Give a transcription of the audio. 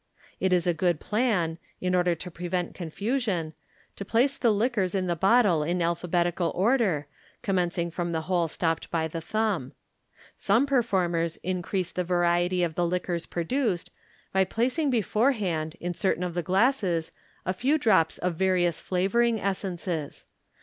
It is a good plan, in order to prevent confusion, to place the liquors in the bottle in alphabetical order, commencing from the hole stopped by the thumb. Some performers increase the variety of the liquors produced, by placing beforehand in certain of the glasses a few drops of various flavouring essences.